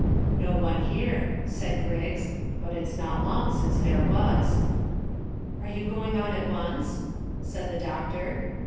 "No one here," said Griggs, "but it's not long since there was." "Are you going on at once?" said the doctor.